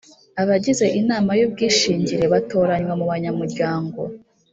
Abagize inama y’ubwishingire batoranywa mu banyamuryango